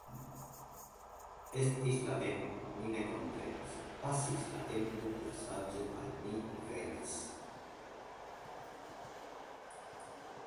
Estis la tempo, ni ne komprenis — pasis la tempo, la saĝo al ni venis.